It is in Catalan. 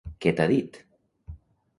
Què t'ha dit?